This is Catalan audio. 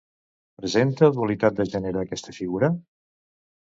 Presenta dualitat de gènere aquesta figura?